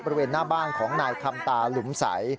บริเวณหน้าบ้านของนายคำตาหลุมใส